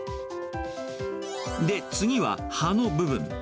で、次は葉の部分。